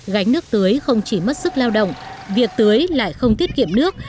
gánh nước tưới không chỉ mất sức lao động việc tưới lại không tiết kiệm nước